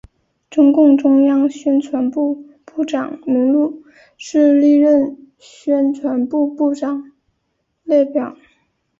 中共中央宣传部部长名录是历任宣传部部长列表。